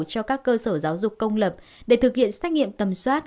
cho các cơ sở giáo dục công lập để thực hiện xét nghiệm tầm soát